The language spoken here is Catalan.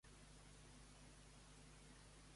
Com vestien Henoc i Elias?